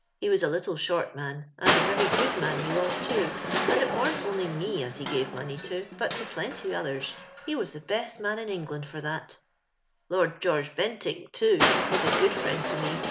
He wjis a little .•^hi)rt man, and a very pood man he was too, lor it warnt only mo as he gnvo morK*y to, but to i)liMity others, lie was tlio best man in Knj^Mand for tbiit. "J.ord George Piontinck, ttx>, was a pood friend to me.